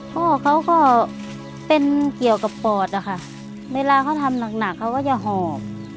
พ่อเขาก็เป็นเกี่ยวกับปอดอะค่ะเวลาเขาทำหนักเขาก็จะหอบ